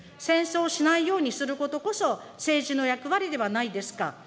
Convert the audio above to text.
戦争しないようにすることこそ、政治の役割ではないですか。